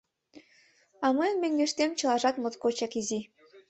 А мыйын мӧҥгыштем чылажат моткочак изи.